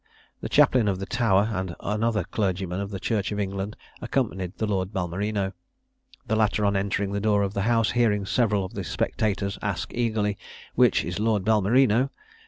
The chaplain of the Tower and another clergyman of the church of England accompanied the Lord Balmerino. The latter, on entering the door of the house, hearing several of the spectators ask eagerly, "Which is Lord Balmerino?"